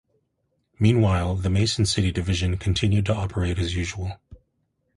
Meanwhile, the Mason City Division continued to operate as usual.